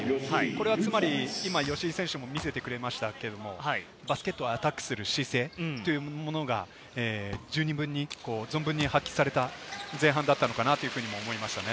これはつまり吉井選手も見せてくれましたけれど、バスケットはアタックする姿勢というものが十二分に存分に発揮された前半だったのかなと思いましたね。